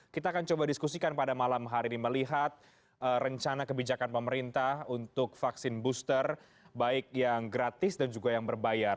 kita akan coba diskusikan pada malam hari ini melihat rencana kebijakan pemerintah untuk vaksin booster baik yang gratis dan juga yang berbayar